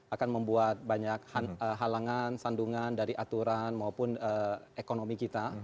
akan membuat banyak halangan sandungan dari aturan maupun ekonomi kita